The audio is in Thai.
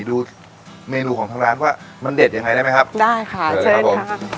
ดูเมนูของทางร้านว่ามันเด็ดยังไงได้ไหมครับได้ค่ะเชิญครับผม